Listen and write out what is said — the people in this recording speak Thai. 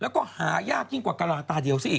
แล้วก็หายากยิ่งกว่ากะลาตาเดียวซะอีก